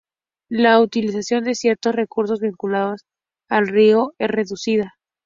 La utilización de ciertos recursos vinculados al río es reducida.